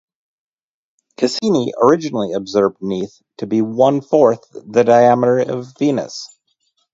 Cassini originally observed Neith to be one-fourth the diameter of Venus.